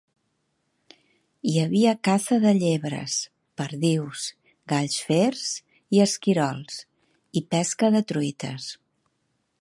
Hi havia caça de llebres, perdius, galls fers i esquirols, i pesca de truites.